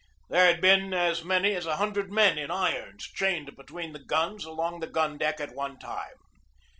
There had been as many as a hundred men in irons chained between the guns along the gun deck at one time.